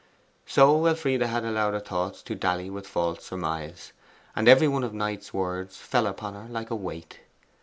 So Elfride had allowed her thoughts to 'dally with false surmise,' and every one of Knight's words fell upon her like a weight.